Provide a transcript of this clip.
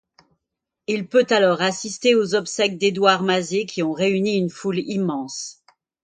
Il peut alors assister aux obsèques d'Édouard Mazé qui ont réuni une foule immense.